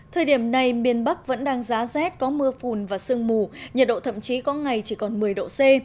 thời điểm này miền bắc vẫn đang giá rét có mưa phùn và sương mù nhiệt độ thậm chí có ngày chỉ còn một mươi độ c